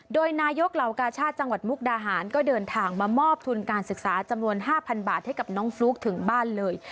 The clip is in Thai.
โดยนายกเหล่ากาชาติจังหวัดมุกดาหารก็เดินทางมามอบทุนการศึกษาจำนวน๕๐๐บาทให้กับน้องฟลุ๊กถึงบ้านเลย